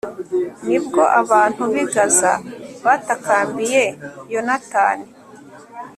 ni bwo abantu b'i gaza batakambiye yonatani